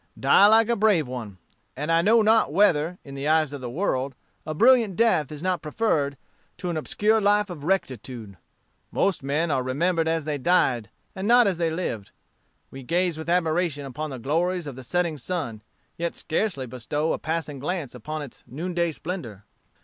"'Die like a brave one. And I know not whether, in the eyes of the world, a brilliant death is not preferred to an obscure life of rectitude. Most men are remembered as they died, and not as they lived. We gaze with admiration upon the glories of the setting sun, yet scarcely bestow a passing glance upon its noonday splendor.'